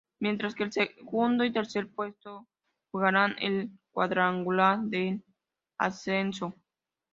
Mientras que el segundo y tercer puesto jugarán el cuadrangular de ascenso.